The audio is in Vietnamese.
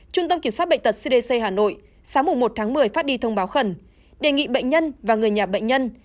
trung tâm kiểm soát bệnh tật cdc hà nội sáng một tháng một mươi phát đi thông báo khẩn đề nghị bệnh nhân và người nhà bệnh nhân